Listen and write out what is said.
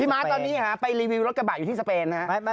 มาร์ทตอนนี้ไปรีวิวรถกระบะอยู่ที่สเปนนะครับ